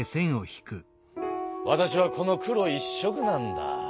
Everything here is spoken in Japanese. わたしはこの黒一色なんだ。